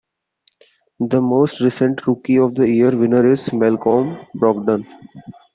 The most recent Rookie of the Year winner is Malcolm Brogdon.